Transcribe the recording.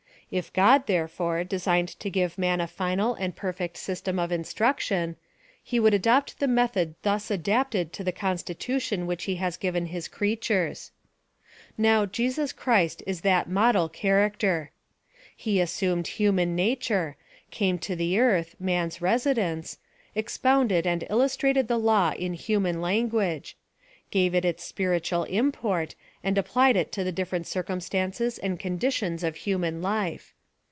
If God, therefore, designed to give man a final and jxirfect system of instruction, he would adopt the method thus adapted to the constitution which he has given his creatures. — Now, Jesus Christ is THAT MODE! CHARACTER. He assumcd human 1:26 PHILOSOPHY OF THE nature came to the earth, man's residence — ex pounded and illustrated the Law in human lan guage ; ^ave it its spiritual import, and applied it to the different circumstances and conditions of human life.